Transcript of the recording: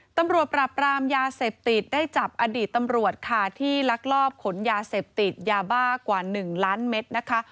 ตำรวจปราบรามยาเสพติดได้จับอดีตตำรวจค่ะที่ลักลอบขนยาเสพติดยาบ้ากว่า๑ล้านเม็ดนะคะ